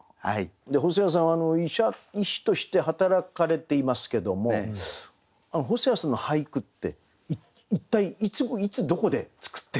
細谷さんは医者医師として働かれていますけども細谷さんの俳句って一体いつどこで作ってる。